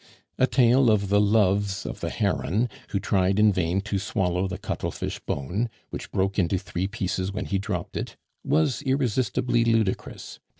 A tale of the loves of the Heron, who tried in vain to swallow the Cuttlefish bone, which broke into three pieces when he dropped it, was irresistibly ludicrous.